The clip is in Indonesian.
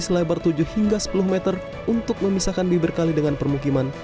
selebar tujuh hingga sepuluh meter untuk memisahkan bibir kali dengan permukiman